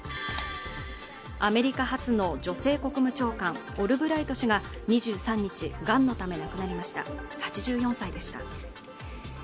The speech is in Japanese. アメリカ初の女性国務長官オルブライト氏が２３日がんのため亡くなりました８４歳でした